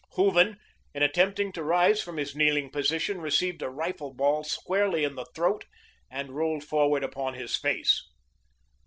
Hooven, in attempting to rise from his kneeling position, received a rifle ball squarely in the throat, and rolled forward upon his face.